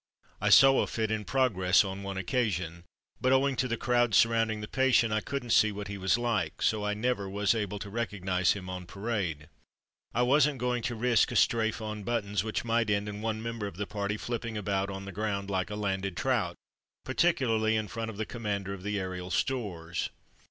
I saw a fit in progress on one occasion, but owing to the crowd surrounding the patient, I couldn't see what he was like, so I never was able to recognize him on parade. I A Wire from War Office 83 wasn't going to risk a strafe on buttons which might end in one member of the party flipping about on the ground like a landed trout; particularly in front of the Commander of the Aerial Stores.